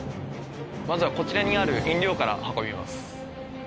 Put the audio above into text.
まずはこちらにある飲料から運びます。